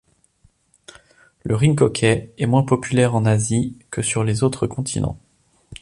Le rink hockey est moins populaire en Asie que sur les autres continents.